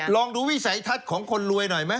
ลองดูวิสัยทัศน์ของคนรวยหน่อยไหม